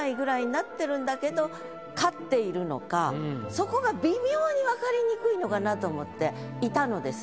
そこが微妙に分かりにくいのかなと思っていたのです。